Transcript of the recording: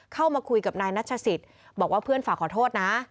เข้ามาคุยกับนายนัชศิษย์บอกว่าเพื่อนฝากขอโทษนะ